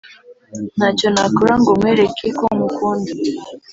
Ntacyo nakora ngo nkwereke ko nkukunda